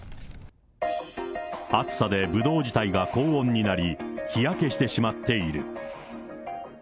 暑さでブドウ自体が高温になり、日焼けしてしまっている。